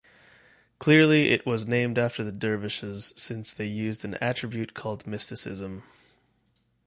Clearly it was named after the dervish's since they used an attribute called Mysticism.